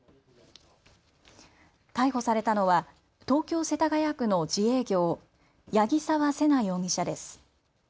逮捕されたのは東京世田谷区の自営業、八木沢瀬名容疑者です。